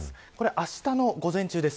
あしたの午前中です。